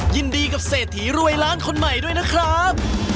ยินดีกับเศรษฐีรวยล้านคนใหม่ด้วยนะครับ